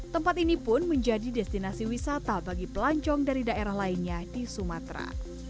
tempat ini pun menjadi destinasi wisata bagi pelancong dari daerah lainnya di sumatera